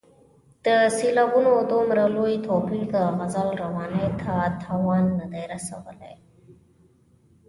د سېلابونو دومره لوی توپیر د غزل روانۍ ته تاوان نه دی رسولی.